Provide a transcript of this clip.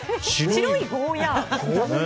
白いゴーヤ。